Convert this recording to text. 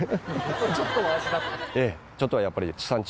ええちょっとはやっぱり。